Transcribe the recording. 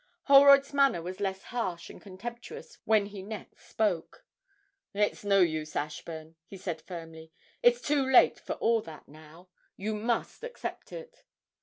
Holroyd's manner was less harsh and contemptuous when he next spoke: 'It's no use, Ashburn,' he said firmly; 'it's too late for all that now you must accept it!'